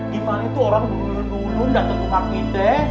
di mall itu orang duduyun duduyun dateng rumah kita